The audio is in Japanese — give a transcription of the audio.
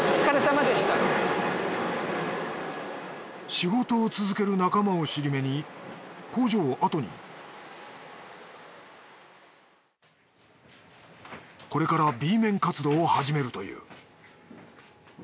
仕事を続ける仲間を尻目に工場を後にこれからＢ面活動を始めるという。